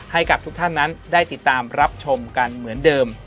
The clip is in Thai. ให้กับทุกท่านนั้นได้ติดตามรับชมกันเหมือนเดิม